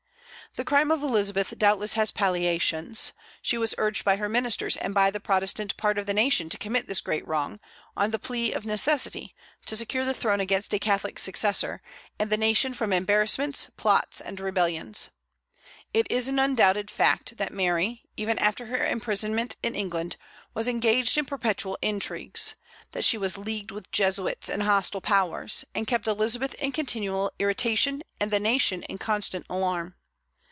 The crime of Elizabeth doubtless has palliations. She was urged by her ministers and by the Protestant part of the nation to commit this great wrong, on the plea of necessity, to secure the throne against a Catholic successor, and the nation from embarrassments, plots, and rebellions. It is an undoubted fact that Mary, even after her imprisonment in England, was engaged in perpetual intrigues; that she was leagued with Jesuits and hostile powers, and kept Elizabeth in continual irritation and the nation in constant alarm.